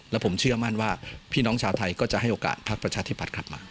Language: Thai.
และผมเชื่อมั่นว่าพี่น้องชาวไทยก็จะให้โอกาสพักประชาธิบัตย์กลับมา